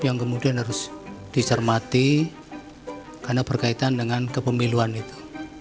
yang kemudian harus dicermati karena berkaitan dengan kepemiluan itu